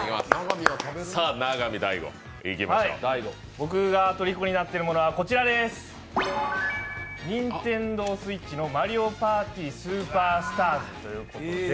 僕がとりこになっているものは、ＮｉｎｔｅｎｄｏＳｗｉｔｃｈの「マリオパーティスーパースターズ」ということ